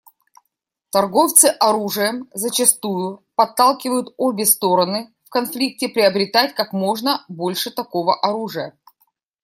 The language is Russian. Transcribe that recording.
Торговцы оружием зачастую подталкивают обе стороны в конфликте приобретать как можно больше такого оружия.